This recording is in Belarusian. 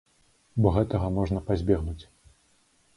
Бо гэтага можна пазбегнуць.